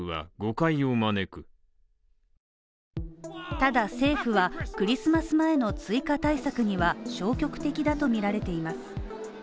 ただ政府はクリスマス前の追加対策には消極的だとみられています。